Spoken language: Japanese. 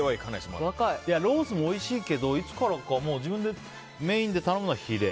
ロースもおいしいけどいつからか自分でメインで頼むのはヒレ。